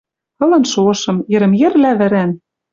Ылын шошым. Йӹрӹм-вӓш лявӹрӓн.